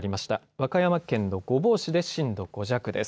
和歌山県の御坊市で震度５弱です。